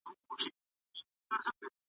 دا انتقادونه د هغه